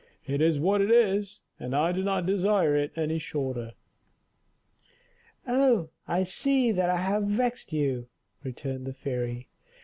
"It is what it is, and I do not desire it any shorter." "Oh! I see that I have vexed you," returned the fairy.